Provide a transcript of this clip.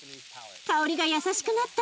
香りが優しくなった。